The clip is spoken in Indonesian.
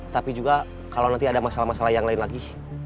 tapi juga kalau nanti ada masalah masalah yang lain lagi